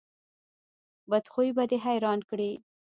بد خوی به دې حیران کړي.